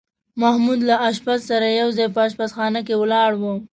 محمود له اشپز سره یو ځای په اشپزخانه کې ولاړ و.